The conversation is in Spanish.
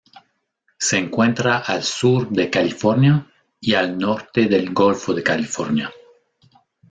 Se encuentra al sur de California y al norte del Golfo de California.